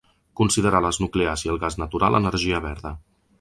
Considerar les nuclears i el gas natural energia verda.